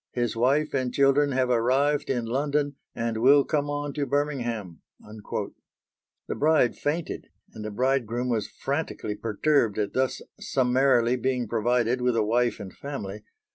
His wife and children have arrived in London and will come on to Birmingham." The bride fainted and the bridegroom was frantically perturbed at thus summarily being provided with a wife and family.